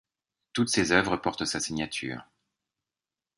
Toutes ces œuvres portent sa signature.